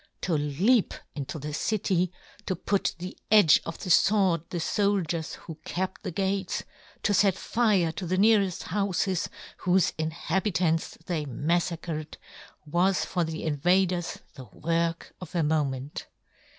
To leap into the city, to put to the edge of the fword the foldiers who kept the gates, to fet fire to the neareft houfes, whofe inhabitants they maffacred, was for the invaders the work of a moment.